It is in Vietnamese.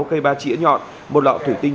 sáu cây ba chĩa nhọn một lọ thủy tinh